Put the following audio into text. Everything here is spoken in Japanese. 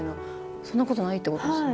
そんなことないってことですよね。